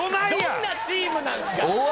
どんなチームなんすか！